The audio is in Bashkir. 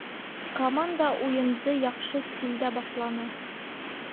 Команда уйынды яҡшы стилдә башланы